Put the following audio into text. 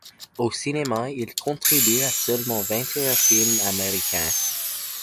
Au cinéma, il contribue à seulement vingt-et-un films américains.